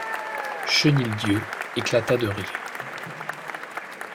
Chenildieu éclata de rire.